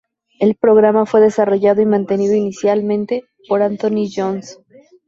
El programa fue desarrollado y mantenido inicialmente por Anthony Jones.